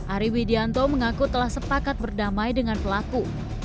ari widianto mengaku telah sepakat berdamai dengan pelaku